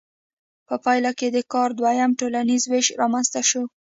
په پایله کې د کار دویم ټولنیز ویش رامنځته شو.